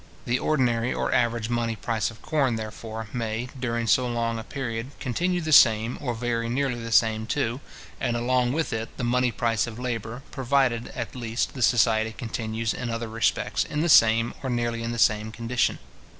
The ordinary or average money price of corn, therefore, may, during so long a period, continue the same, or very nearly the same, too, and along with it the money price of labour, provided, at least, the society continues, in other respects, in the same, or nearly in the same, condition.